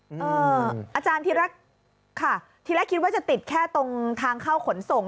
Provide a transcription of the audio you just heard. อาจารย์ที่รักค่ะทีแรกคิดว่าจะติดแค่ตรงทางเข้าขนส่ง